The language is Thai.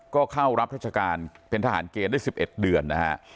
ก็เข้ารับราชการเป็นทหารเกณฑ์ได้๑๑เดือนนะฮะ